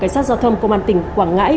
cảnh sát giao thông công an tỉnh quảng ngãi